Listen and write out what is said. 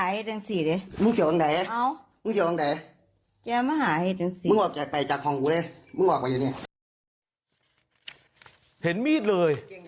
อย่าห้ามล่ะเห็นมีดเลย